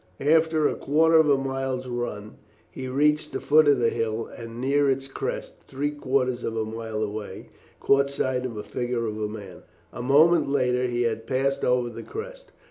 After a quarter of a mile's run he reached the foot of the hill, and near its crest, three quarters of a mile away, caught sight of the figure of a man. A moment later he had passed over the crest.